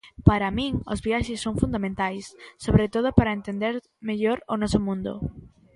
Para min, as viaxes son fundamentais, sobre todo para entender mellor o noso mundo.